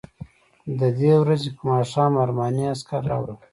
د دې ورځې په ماښام ارماني عکسونه راوړل.